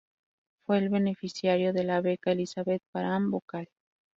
Fue el beneficiaria de la Beca "Elizabeth Parham Vocal".